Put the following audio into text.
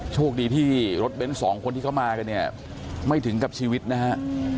โชคดีที่รถเบ้นสองคนที่เขามากันเนี่ยไม่ถึงกับชีวิตนะฮะ